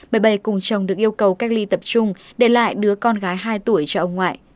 bởi đây cùng chồng được yêu cầu cách ly tập trung để lại đứa con gái hai tuổi cho ông ngoại